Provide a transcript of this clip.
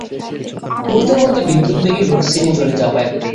মুহূর্ত মধ্যে বিদ্যুৎবেগে রুক্মিণী জলে ঝাঁপাইয়া পড়িল।